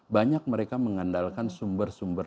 banyak mereka mengandalkan sumber sumber